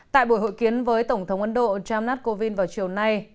tại buổi hội kiến với tổng thống ấn độ jamnath kovind vào chiều nay